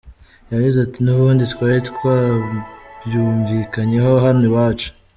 Yagize ati “ N’ubundi twari twabyumvikanyeho hano iwacu.